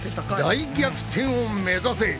大逆転を目指せ！